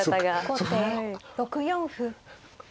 後手６四歩。